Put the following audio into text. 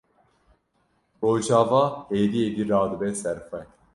Rojava hêdî hêdî radibe ser xwe.